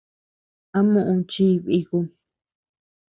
¿A muʼu chii bikum?